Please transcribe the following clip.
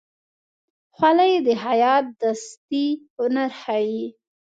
خولۍ د خیاط دستي هنر ښيي.